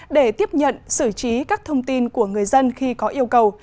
để tiếp nhận xử trí các thông tin của người dân khi có yêu cầu